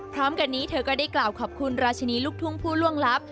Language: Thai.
พร้อมกันนี้เธอก็ได้กล่าวขอบคุณราชินีลูกทุ่งผู้ล่วงลับ